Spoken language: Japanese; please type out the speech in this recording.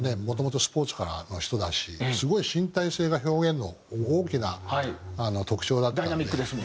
もともとスポーツからの人だしすごい身体性が表現の大きな特徴だったので。